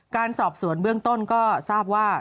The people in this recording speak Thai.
การสอบสวนเบื้องต้นก็ทราบว่า